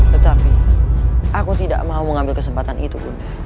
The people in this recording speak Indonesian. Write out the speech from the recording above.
tetapi aku tidak mau mengambil kesempatan itu pun